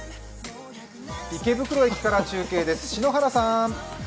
池袋駅から中継です。